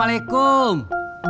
tapi eda wildung